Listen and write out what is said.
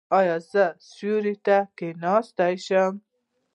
ایا زه سیوري ته کیناستلی شم؟